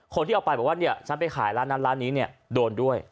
คนที่เอาไปว่าฉันไปขายร้านนั้นร้านนี้โดนด้วย